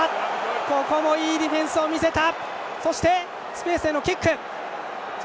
ここもいいディフェンスを見せた！